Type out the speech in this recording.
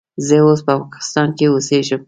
زه اوس په پاکستان کې اوسیږم.